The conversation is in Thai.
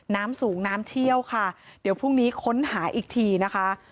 น้ำสูงน้ำเชี่ยวค่ะเดี๋ยวพรุ่งนี้ค้นหาอีกทีนะคะ